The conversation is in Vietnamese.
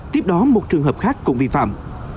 tiếp đó một trường hợp khác cũng vi phạm